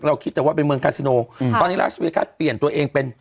คิดแต่ว่าเป็นเมืองคาซิโนอืมตอนนี้ราชเวกาเปลี่ยนตัวเองเป็น